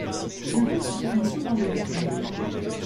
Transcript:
Jérôme se promène souvent le week-end.